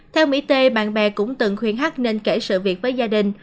theo mỹ t bạn bè cũng từng khuyên h nên kể sự việc với gia đình